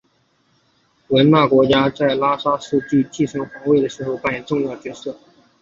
汶那家族在拉玛四世继承皇位的时候扮演重要角色。